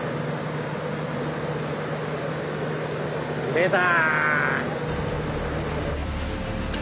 出た！